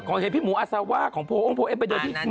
ก่อนให้พี่หมูอาซาว่าของโพเอิ้งโพเอมไปเดี๋ยวที่เหมือนกิว